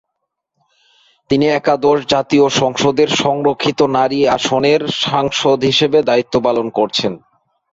তিনি একাদশ জাতীয় সংসদের সংরক্ষিত নারী আসনের সাংসদ হিসেবে দায়িত্ব পালন করছেন।